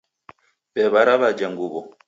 Mbewa rawqeja nguwo